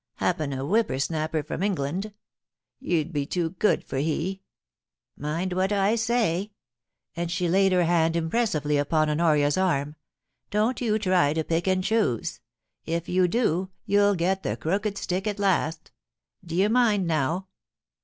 Happen a whipper snapper from England. You'd be too good for he. Mind what I say '— and she laid her hand impressively upon Honoria's arm —' don't you try to pick and choose. If you do, you'll get the crooked stick at last Do ye mind now